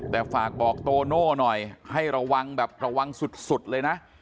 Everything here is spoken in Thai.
แต่ฝากบอกโตโน่หน่อยให้ระวังแบบระวังสุดเลยนะ